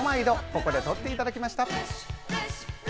ここで撮っていただきました。